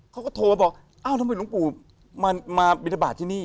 เขาก็โทรมาบอกทำไมลุงกู่มาบิณฑบาตที่นี่